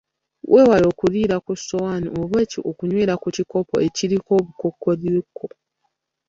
Weewale okuliira ku ssowaani oba okunywera ku kikopo ekiriko obukokkoliko.